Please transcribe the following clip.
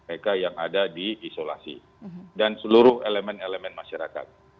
mereka yang ada di isolasi dan seluruh elemen elemen masyarakat